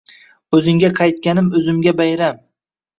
O’zimga qaytganim o’zimga bayram